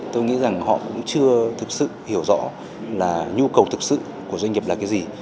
tôi nghĩ rằng họ cũng chưa thực sự hiểu rõ là nhu cầu thực sự của doanh nghiệp là cái gì